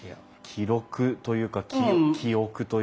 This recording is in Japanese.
記録というか記憶というか。